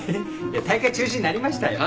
いや大会中止になりましたよ。